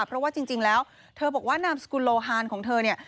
เพราะว่าจริงแล้วเธอบอกว่านามสกุลโลฮานของเธอเนี่ย